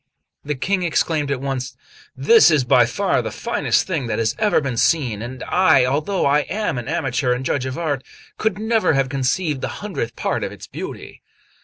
The King exclaimed at once: "This is by far the finest thing that has ever been seen; and I, although I am an amateur and judge of art, could never have conceived the hundredth part of its beauty."